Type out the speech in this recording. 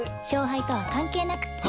勝敗とは関係なく。